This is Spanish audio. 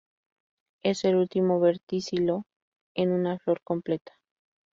Es el último verticilo en una flor completa.